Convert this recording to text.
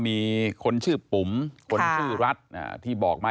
มีคนชื่อปุ๋มคนชื่อรัฐที่บอกมา